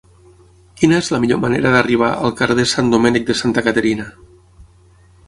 Quina és la millor manera d'arribar al carrer de Sant Domènec de Santa Caterina?